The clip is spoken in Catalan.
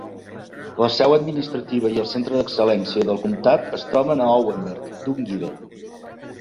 La seu administrativa i el centre d'excel·lència del comtat es troben a Owenbeg, Dungiven.